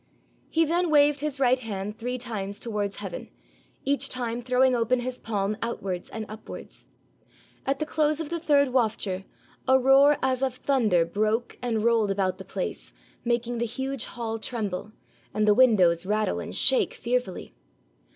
He then waved his right hand three times towards heaven, each time throwing open his palm outwards and upwards. At the close of the third wafture, a roar as of thunder broke and rolled about the place, making the huge hall tremble, and the windows rattle and shake fearfully.